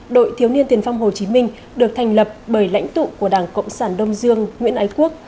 đội thiếu niên tiền phong hồ chí minh được thành lập bởi lãnh tụ của đảng cộng sản đông dương nguyễn ái quốc